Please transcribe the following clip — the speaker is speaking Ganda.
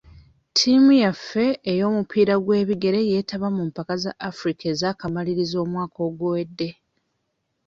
Ttiimu yaffe ey'omupiira gw'ebigere yeetaba mu mpaka za Africa ez'akamalirirzo omwaka oguwedde.